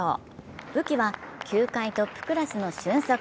武器は球界トップクラスの俊足。